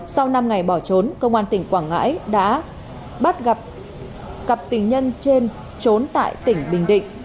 sau năm ngày bỏ trốn công an tỉnh quảng ngãi đã bắt gặp cặp tình nhân trên trốn tại tỉnh bình định